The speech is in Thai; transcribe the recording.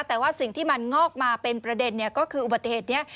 แต่ว่าสิ่งที่มันงอกมาเป็นประเด็นก็คืออุบัติเหตุนี้